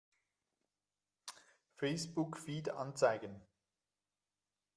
Facebook-Feed anzeigen!